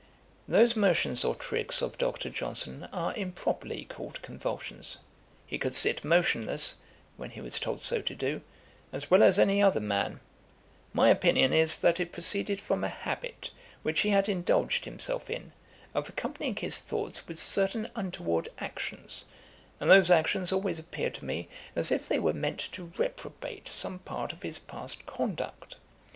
] 'Those motions or tricks of Dr. Johnson are improper'y called convulsions. He could sit motionless, when he was told so to do, as well as any other man; my opinion is that it proceeded from a habit which he had indulged himself in, of accompanying his thoughts with certain untoward actions, and those actions always appeared to me as if they were meant to reprobate some part of his past conduct.